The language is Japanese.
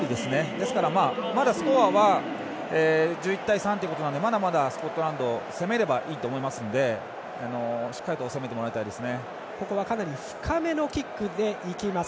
ですから、まだスコアは１１対３なのでまだまだスコットランド攻めればいいと思いますのでしっかりと攻めてもらいたいです。